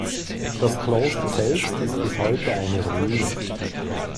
Das Kloster selbst ist bis heute eine Ruine.